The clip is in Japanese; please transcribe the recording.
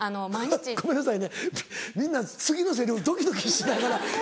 フッごめんなさいねみんな次のセリフドキドキしながら。